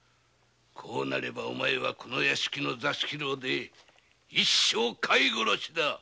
こうなればお前はこの屋敷の座敷牢で一生飼い殺しだ。